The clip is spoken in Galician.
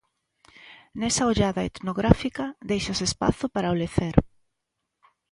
Nesa ollada etnográfica deixas espazo para o lecer.